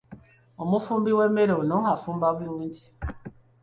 Omufumbi w'emmere ono afumba bulungi.